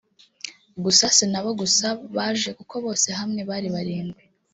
gusa sinabo gusa baje kuko bose hamwe bari barindwi